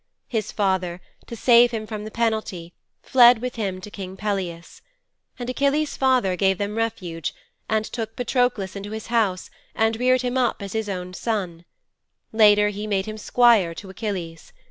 His father, to save him from the penalty, fled with him to King Peleus. And Achilles' father gave them refuge and took Patroklos into his house and reared him up with his own son. Later he made him squire to Achilles.